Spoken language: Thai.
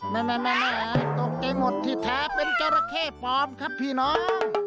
นั่นตรงใกล้หมดที่แท้เป็นกระเข้ปลอมครับพี่น้อง